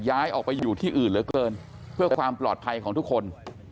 ย้ายออกไปอยู่ที่อื่นเหลือเกินเพื่อความปลอดภัยของทุกคน